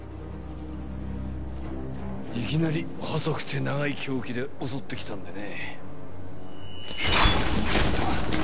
いきなり細くて長い凶器で襲ってきたんでね。